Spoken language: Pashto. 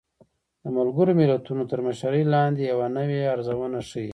د ملګرو ملتونو تر مشرۍ لاندې يوه نوې ارزونه ښيي